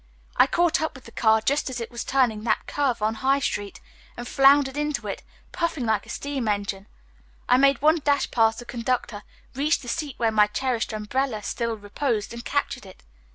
I caught up with the car just as it was turning that curve on High Street, and floundered into it, puffing like a steam engine. I made one dash past the conductor, reached the seat where my cherished umbrella still reposed and captured it.